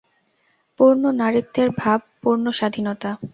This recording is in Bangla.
পূর্ণ নারীত্বের ভাব পূর্ণ স্বাধীনতা।